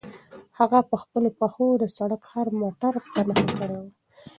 هغه په خپلو پښو د سړک هر متر په نښه کړی و.